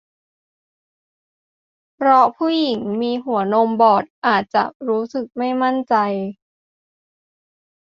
เพราะผู้หญิงที่มีหัวนมบอดอาจจะรู้สึกไม่มั่นใจ